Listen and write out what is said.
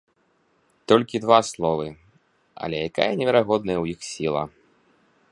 Толькі два словы, але якая неверагодная ў іх сіла!